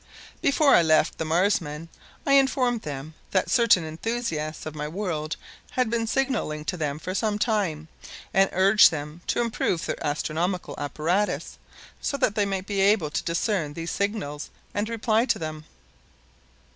Before I left the Marsmen I informed them that certain enthusiasts of my world had been signaling to them for some time, and urged them to improve their astronomical apparatus so that they might be able to discern these signals and reply to them.